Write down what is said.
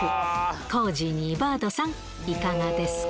コージーにバードさん、いかがですか？